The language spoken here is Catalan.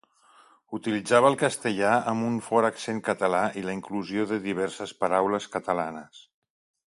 Utilitzava el castellà amb un fort accent català i la inclusió de diverses paraules catalanes.